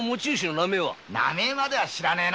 名前までは知らねえな。